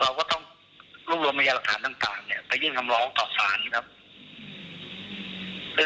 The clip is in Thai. เราก็ต้องรวมรวยรักษาต่างทำลองต่อสาร